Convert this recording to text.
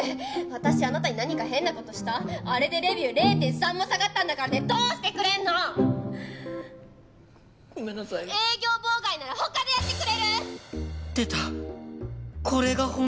私あなたに何か変なことした⁉あれでレビュー０．３も下がったんだからねどうしてくれんの⁉ごめんなさい営業妨害ならほかでやってくれる⁉ったくマジでありえない！